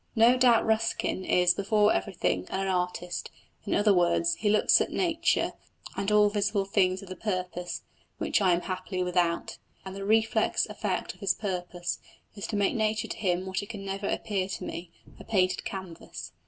No doubt Ruskin is, before everything, an artist: in other words, he looks at nature and all visible things with a purpose, which I am happily without: and the reflex effect of his purpose is to make nature to him what it can never appear to me a painted canvas.